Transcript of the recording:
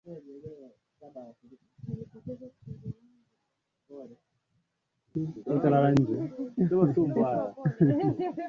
Manyumba yalifunguka tu kwa mabehewa ya ndani na makoboti madogo